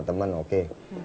sama temen oke